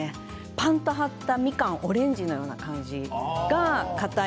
パンと張ったようなオレンジのような感じがかたい。